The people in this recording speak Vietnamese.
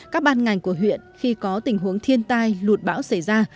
các ban ngành của huyện khi có tình huống thiên tai lụt bão xảy ra